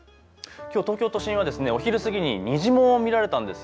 きょう東京都心はお昼過ぎに虹も見られたんですよ。